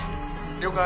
了解。